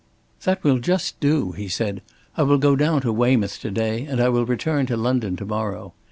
"That will just do," he said. "I will go down to Weymouth to day, and I will return to London to morrow."